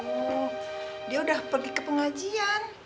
hmm dia udah pergi ke pengajian